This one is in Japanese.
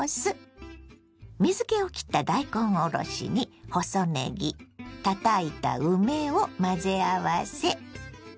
水けをきった大根おろしに細ねぎたたいた梅を混ぜ合わせ。